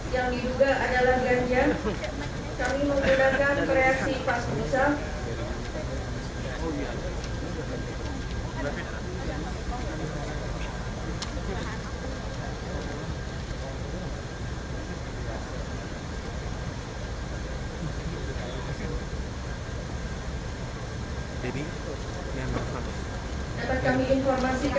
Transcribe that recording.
yang kami hormati